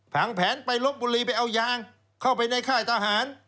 ผังแผนไปลบบุรีไปเอายางเข้าไปในค่ายทหาร